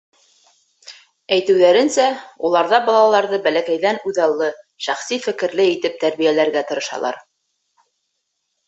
Әйтеүҙәренсә, уларҙа балаларҙы бәләкәйҙән үҙаллы, шәхси фекерле итеп тәрбиәләргә тырышалар.